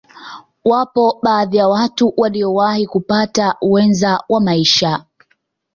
Wapo baadhi ya watu waliyowahi kupata wenza wa maisha